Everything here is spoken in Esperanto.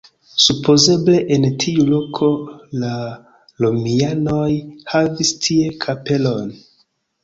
Supozeble en tiu loko la romianoj havis tie kapelon.